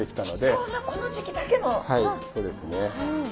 はいそうですね。